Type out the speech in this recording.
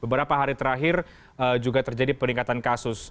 beberapa hari terakhir juga terjadi peningkatan kasus